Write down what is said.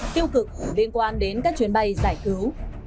tiêu cực liên quan đến các chuyến bay giải cứu